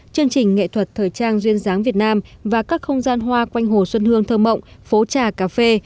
chương trình nghệ thuật thời trang duyên dáng việt nam và các không gian hoa quanh hồ xuân hương thơ mộng phố trà cà phê